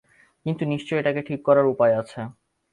কিন্তু নিশ্চয়ই এটাকে ঠিক করার উপায় আছে।